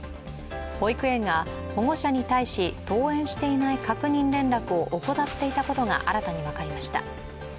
保育園が保護者に対し、登園していない確認連絡を怠っていたことが新たに分かりました。